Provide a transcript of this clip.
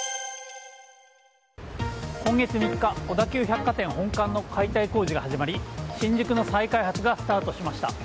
今月３日、小田急百貨店本館の解体工事が始まり新宿の再開発がスタートしました。